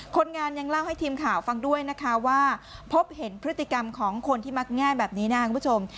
คนงานยังเล่าให้ทีมข่าวฟังด้วยนะคะว่าพบเห็นพฤติกรรมของคนที่มักง่ายแบบนี้นะครับคุณผู้ชม